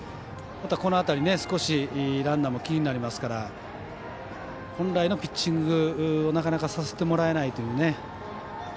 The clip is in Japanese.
この辺り少しランナーも気になりますから本来のピッチングなかなかさせてもらえないという。